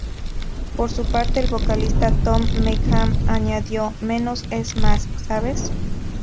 Por su parte, el vocalista Tom Meighan añadió: "Menos es más, ¿sabes?